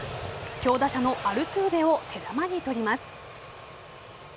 強打者のアルトゥーベを手玉に取ります。